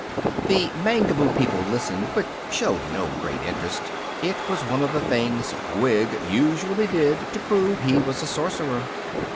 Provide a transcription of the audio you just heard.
The Mangaboo people listened, but showed no great interest. It was one of the things Gwig usually did to prove he was a sorcerer.